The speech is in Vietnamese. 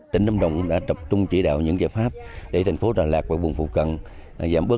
tỉnh lâm đồng đã tập trung chỉ đạo những giải pháp để thành phố đà lạt và vùng phố cờ